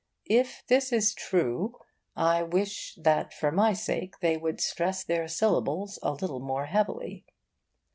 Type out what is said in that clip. If this is true, I wish that for my sake they would stress their syllables a little more heavily.